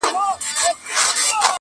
ایبنه دي نه کړمه بنګړی دي نه کړم,